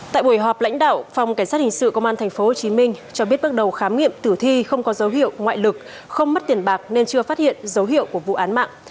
tại buổi họp lãnh đạo phòng cảnh sát hình sự công an tp hcm cho biết bước đầu khám nghiệm tử thi không có dấu hiệu ngoại lực không mất tiền bạc nên chưa phát hiện dấu hiệu của vụ án mạng